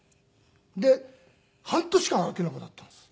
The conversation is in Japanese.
で半年間歩けなくなったんです。